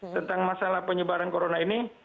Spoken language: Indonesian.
tentang masalah penyebaran corona ini